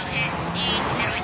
２１−０１。